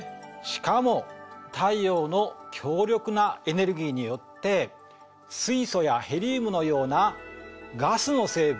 しかも太陽の強力なエネルギーによって水素やヘリウムのようなガスの成分